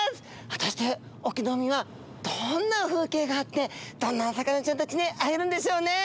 果たして隠岐の海はどんな風景があってどんなお魚ちゃんたちに会えるんでしょうね？